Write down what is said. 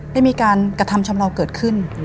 ได้มีการกระทำชำเลาเกิดขึ้น